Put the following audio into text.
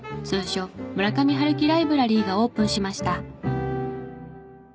通称「村上春樹ライブラリー」がオープンしました。